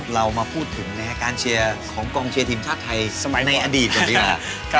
เรามาพูดถึงการเชียร์ของกองเชียร์ทีมชาติไทยสมัยในอดีตก่อนดีกว่า